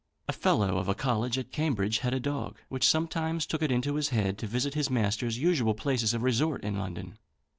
A Fellow of a College at Cambridge had a dog, which sometimes took it into his head to visit his master's usual places of resort in London.